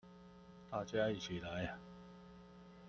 大家一起來